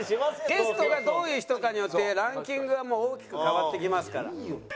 ゲストがどういう人かによってランキングはもう大きく変わってきますから。